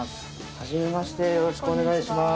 はじめましてよろしくお願いします